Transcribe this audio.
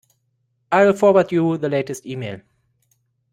I'll forward you the latest email.